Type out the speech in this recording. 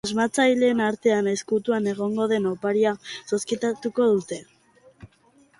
Asmatzaileen artean ezkutuan egongo den oparia zozketatuko dute.